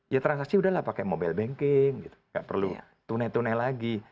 ya transaksi udahlah pakai mobile banking gitu nggak perlu tunai tunai lagi